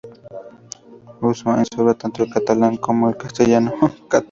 Usó en su obra tanto el catalán como el castellano.